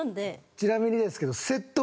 ちなみにですけど。